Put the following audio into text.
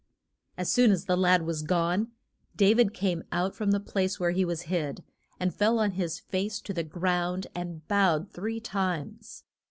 As soon as the lad was gone, Da vid came out from the place where he was hid, and fell on his face to the ground, and bowed three times.